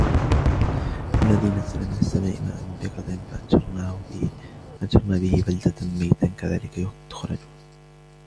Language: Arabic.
وَالَّذِي نَزَّلَ مِنَ السَّمَاءِ مَاءً بِقَدَرٍ فَأَنْشَرْنَا بِهِ بَلْدَةً مَيْتًا كَذَلِكَ تُخْرَجُونَ